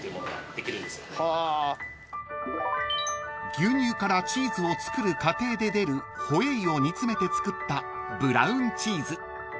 ［牛乳からチーズを作る過程で出るホエイを煮詰めて作ったブラウンチーズ］